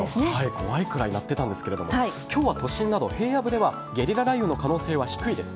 怖いくらい鳴ってたんですが今日は都心など平野部ではゲリラ雷雨の可能性は低いです。